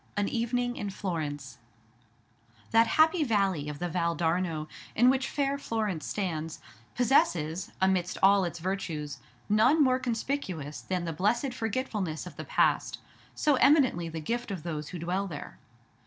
AN EVENING IN FLORENCE That happy valley of the Val d'Arno, in which fair Florence stands, possesses, amidst all its virtues, none more conspicuous than the blessed forgetfulness of the past, so eminently the gift of those who dwell there.